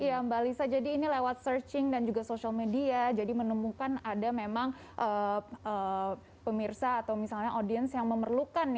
iya mbak lisa jadi ini lewat searching dan juga social media jadi menemukan ada memang pemirsa atau misalnya audiens yang memerlukan